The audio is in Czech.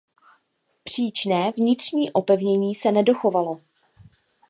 Příčné vnitřní opevnění se nedochovalo.